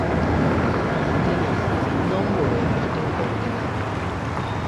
তিনি তিন নম্বরে ব্যাটিং করতে নামেন।